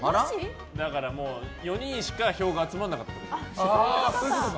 だから４人しか票が集まらなかったと。